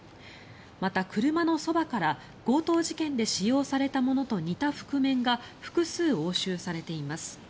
また、車のそばから強盗事件で使用されたものと似た覆面が複数押収されています。